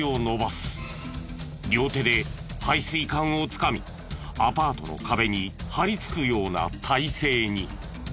両手で排水管をつかみアパートの壁に張りつくような体勢に。